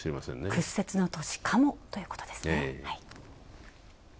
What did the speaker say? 屈折の年かもということですね。